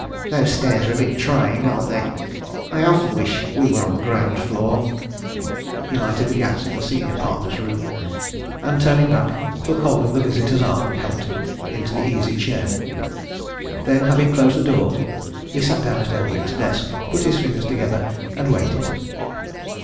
Those stairs are a bit trying, aren't they? I often wish we were on the ground floor." He lighted the gas in the senior partner's room, and turning back, took hold of the visitor's arm, and helped him to the easy chair. Then, having closed the doors, he sat down at Eldrick's desk, put his fingers together and waited.